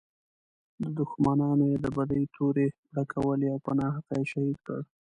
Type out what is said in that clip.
دښمنانو یې د بدۍ تورې پړکولې او په ناحقه یې شهید کړ.